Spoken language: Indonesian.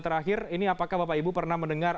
terakhir ini apakah bapak ibu pernah mendengar